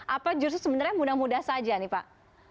apa justru sebenarnya mudah mudahan saja nih pak